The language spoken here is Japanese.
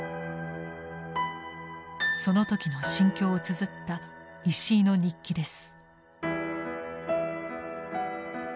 その時の心境をつづった石射の日記です。